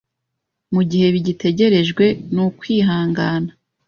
mu gihe bigitegerejwe nukwihangana